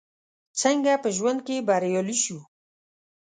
څنګه په ژوند کې بريالي شو ؟